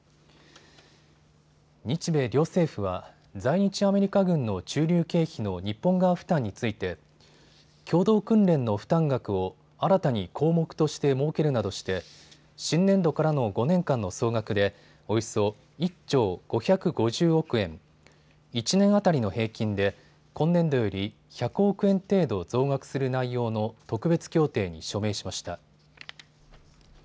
日米両政府は在日アメリカ軍の駐留経費の日本側負担について共同訓練の負担額を新たに項目として設けるなどして新年度からの５年間の総額でおよそ１兆５５０億円、１年当たりの平均で今年度より１００億円程度増額する内容の特別協定に署名しました。